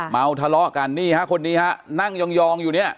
เมาทะเลาะกันนี่ฮะคนนี้ฮะนั่งยองอยู่เนี่ย